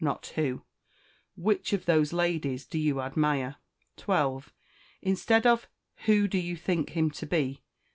not who "Which of those ladies do you admire?" 12. Instead of "Who do you think him to be?"